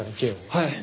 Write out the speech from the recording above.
はい。